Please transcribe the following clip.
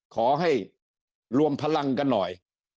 ขอให้รวมพลังกันหน่อย